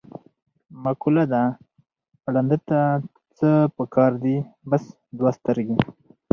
مقوله ده: ړانده ته څه په کار دي، بس دوه سترګې.